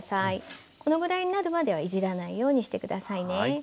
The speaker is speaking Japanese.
このぐらいになるまではいじらないようにして下さいね。